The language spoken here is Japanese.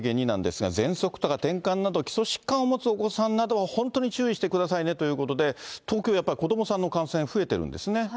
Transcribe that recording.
２なんですが、喘息とかてんかんなど、基礎疾患を持つお子さんなどは本当に注意してくださいねということで、東京、やっぱり子どもさんの感染、増えてるんですね。